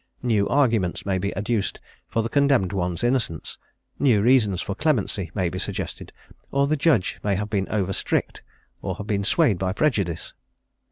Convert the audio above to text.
New arguments may be adduced for the condemned one's innocence, new reasons for clemency may be suggested; or the judge may have been over strict, or have been swayed by prejudice.